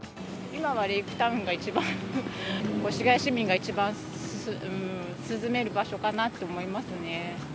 今はレイクタウンが一番、越谷市民が一番涼める場所かなと思いますね。